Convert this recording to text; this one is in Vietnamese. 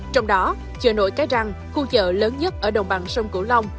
trong đó chợ nổi cái răng khu chợ lớn nhất ở đồng bằng sông cửu long